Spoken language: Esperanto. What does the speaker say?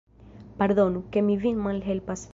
Pardonu, ke mi vin malhelpas.